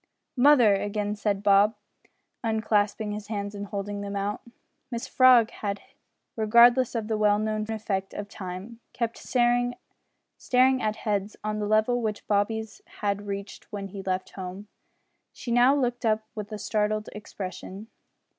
"Mother!" again said Bob, unclasping his hands and holding them out. Mrs Frog had hitherto, regardless of the well known effect of time, kept staring at heads on the level which Bobby's had reached when he left home. She now looked up with a startled expression.